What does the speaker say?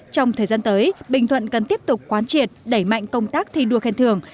trong thời gian tới bình thuận cần tiếp tục quán triệt đẩy mạnh công tác thi đua khen thường